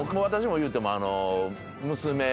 私もいうても。